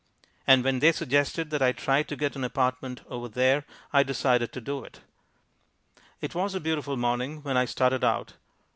And when they suggested that I try to get an apartment over there I decided to do it. It was a beautiful morning when I started out.